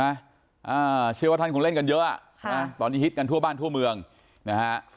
อ่าเชื่อว่าท่านคงเล่นกันเยอะอ่ะค่ะนะตอนนี้ฮิตกันทั่วบ้านทั่วเมืองนะฮะ